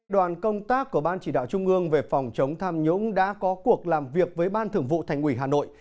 đoàn công tác của ban chỉ đạo trung ương về phòng chống tham nhũng đã có cuộc làm việc với ban thưởng vụ thành ủy hà nội